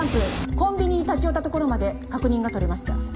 コンビニに立ち寄ったところまで確認が取れました。